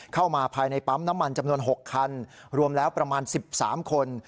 เข้ามาภายในปั๊มน้ำมันจำนวน๖คันรวมแล้วประมาณ๑๓คน